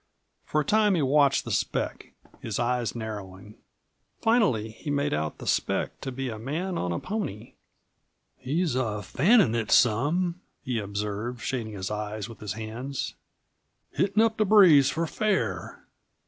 For a time he watched the speck, his eyes narrowing. Finally he made out the speck to be a man on a pony. "He's a fannin' it some," he observed, shading his eyes with his hands; "hittin' up the breeze for fair."